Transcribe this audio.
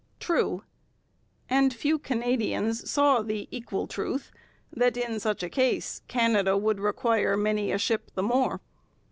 True; and few Canadians saw the equal truth that in such a case Canada would require many a ship the more.